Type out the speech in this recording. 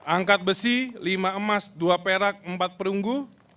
angkat besi lima emas dua perak empat perunggu